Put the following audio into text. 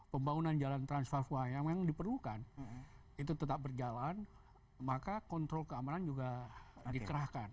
pembangunan jalan trans papua yang memang diperlukan itu tetap berjalan maka kontrol keamanan juga dikerahkan